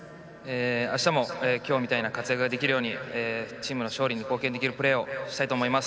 あしたもきょうみたいな活躍ができるようにチームの勝利に貢献できるプレーをしたいと思います。